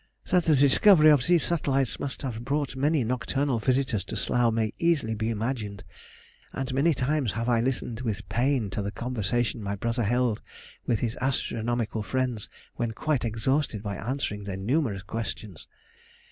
That the discovery of these satellites must have brought many nocturnal visitors to Slough may easily be imagined, and many times have I listened with pain to the conversation my brother held with his astronomical friends when quite exhausted by answering their numerous questions.